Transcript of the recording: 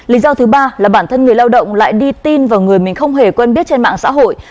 lý do thứ ba là bản thân người lao động lại đi tin vào người mình không hề quen biết trên mạng xã hội